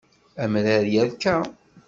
Amrar yerka.